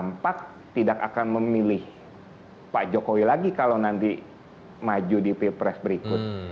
tampak tidak akan memilih pak jokowi lagi kalau nanti maju di pilpres berikut